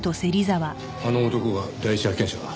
あの男が第一発見者か？